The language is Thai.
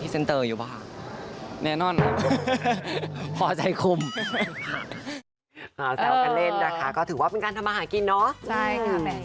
แซวกันเล่นนะคะก็ถือว่าเป็นการทำอาหารกินน้อ